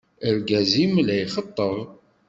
Argaz-im la ixeṭṭeb.